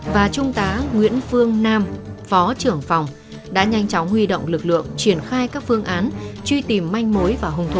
và trung tá nguyễn phương nam phó trưởng phòng đã nhanh chóng huy động lực lượng triển khai các phương án truy tìm manh mối và hung thủ